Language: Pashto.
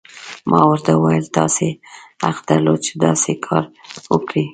ما ورته وویل: تاسي حق درلود، چې داسې کار وکړي.